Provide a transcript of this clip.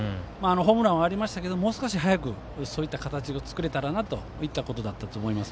ホームランはありましたがもう少し早くそういった形を作れたらという話だと思います。